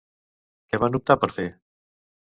Què van optar per fer?